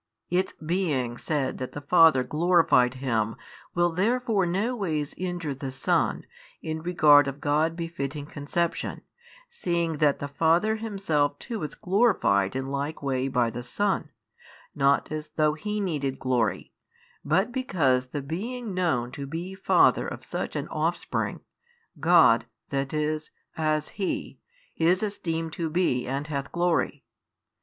Its being said that the Father glorified Him will therefore no ways injure the Son, in regard of God befitting conception, seeing that the Father Himself too is glorified in like way by the Son, not as though He needed glory, but because the being known to be Father of such an Offspring, God, that is, as He, is esteemed to be and hath glory.